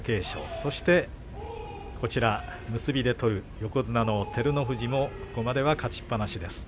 そして結びで取る一人横綱の照ノ富士もここまでは勝ちっぱなしです。